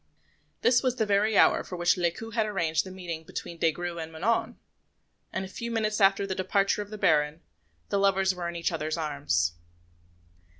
This was the very hour for which Lescaut had arranged the meeting between Des Grieux and Manon; and a few minutes after the departure of the Baron, the lovers were in each other's arms.